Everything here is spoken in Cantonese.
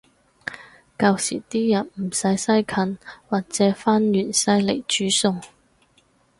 舊時啲人唔使西芹或者番芫茜來煮餸